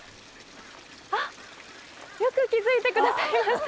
あっ、よく気づいてくださいました。